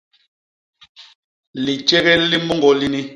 Litjégél li môñgô lini.